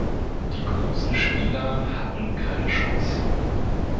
Die großen Spieler hatten keine Chance.